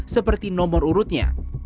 seperti nomor urutnya